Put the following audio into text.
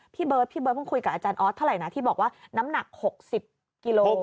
พี่เบิร์ดพี่เบิร์เพิ่งคุยกับอาจารย์ออสเท่าไหร่นะที่บอกว่าน้ำหนัก๖๐กิโล